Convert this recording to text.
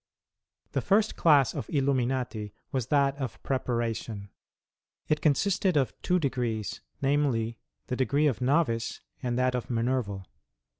The first class of Illuminati, was that of preparation. It consisted of two degrees, namely, the degree of Novice and that of Minerval.